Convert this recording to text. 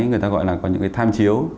người ta gọi là có những cái tham chiếu